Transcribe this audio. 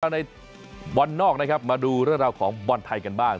เข้ามาในวันนอกนะครับมาดูเรื่องราวของวนไทยกันบ้าง